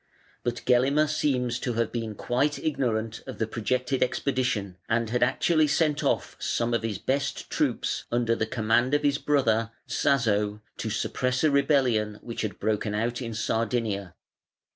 But Gelimer seems to have been quite ignorant of the projected expedition, and had actually sent off some of his best troops under the command of his brother, Tzazo, to suppress a rebellion which had broken out in Sardinia.